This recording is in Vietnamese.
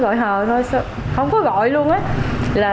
gọi hờ thôi không có gọi luôn á